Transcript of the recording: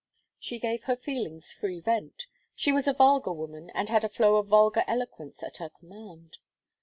She gave her feelings free vent. She was a vulgar woman, and had a flow of vulgar eloquence at her command.